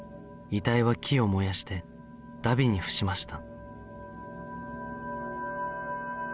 遺体は木を燃やして荼毘に付しました